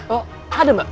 oh ada mbak